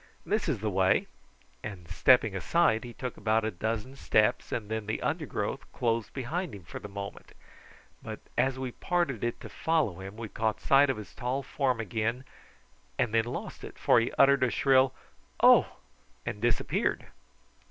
"This is the way;" and stepping aside he took about a dozen steps and then the undergrowth closed behind him for the moment, but as we parted it to follow him we caught sight of his tall form again and then lost it, for he uttered a shrill "Oh!" and disappeared.